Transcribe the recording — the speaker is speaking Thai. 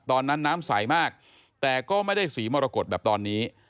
น้ำใสมากแต่ก็ไม่ได้สีมรกฏแบบตอนนี้